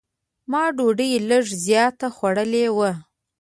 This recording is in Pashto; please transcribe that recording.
ما ډوډۍ لږ زیاته خوړلې وه.